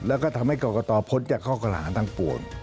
แล้วก็ทำให้กรกตพ้นจากข้อกระลาทั้งปวง